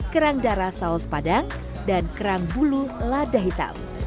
kerang darah saus padang dan kerang bulu lada hitam